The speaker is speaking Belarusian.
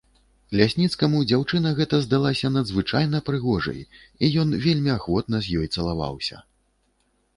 Лясніцкаму дзяўчына гэта здалася надзвычайна прыгожай, і ён вельмі ахвотна з ёй цалаваўся.